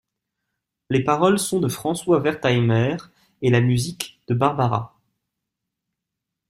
Les paroles sont de François Wertheimer et la musique de Barbara.